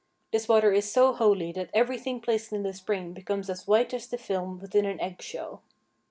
This water is so holy that everything placed in the spring becomes as white as the film, within an eggshell.